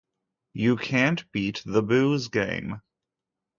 You can't beat the booze game.